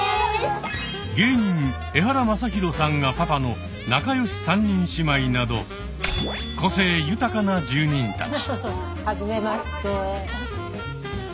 芸人エハラマサヒロさんがパパの仲よし３人姉妹など個性豊かな住人たち。